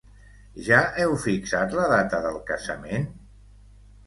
Ja heu fixat la data del casament?